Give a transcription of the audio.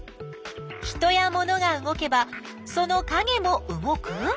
人やモノが動けばそのかげも動く？